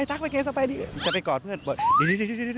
ตั๊กไปเกษตรอไปจะไปกอดเพื่อนบอกดี